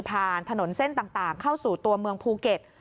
ถนนเส้นต่างเข้าสู่ตัวเมืองภูเก็ต